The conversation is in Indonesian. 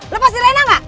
lepasin rena gak